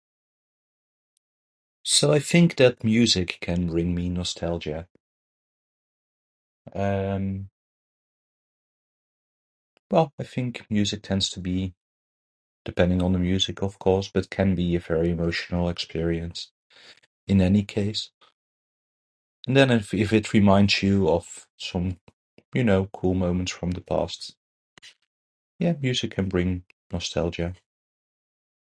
So, I think that music can bring me nostalgia. Um, well, I think music tends to be, depending on the music of course, but can be a very emotional experience, in any case. And then if, if it reminds you of some, you know, cool moments from the past. Yeah, music can bring nostalgia.